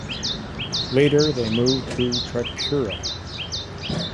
Later they moved to Tripura.